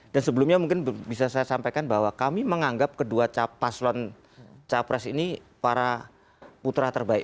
dan sebelumnya mungkin bisa saya sampaikan bahwa kami menganggap kedua paslon capres ini para putra terbaik